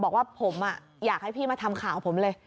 บอกว่าผมอยากให้พี่มาทำข่าวผมเลย